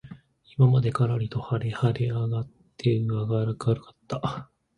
今までからりと晴はれ上あがって明あかるかった